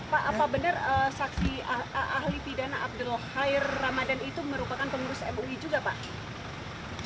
pak apa benar saksi ahli pidana abdul khair ramadan itu merupakan pengurus mui juga pak